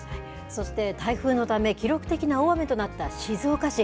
そして、台風のため、記録的な大雨となった静岡市。